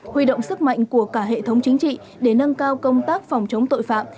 huy động sức mạnh của cả hệ thống chính trị để nâng cao công tác phòng chống tội phạm